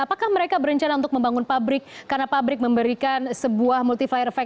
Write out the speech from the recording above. apakah mereka berencana untuk membangun pabrik karena pabrik memberikan sebuah multi fire effect